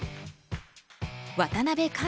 渡辺寛